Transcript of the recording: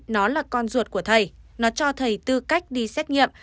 nó là con ruột của thầy nó cho thầy tư cách đi xét nghiệm